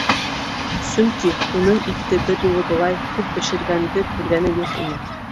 Сөнки уның итте бер юлы былай күп бешергәнде күргәне юҡ ине.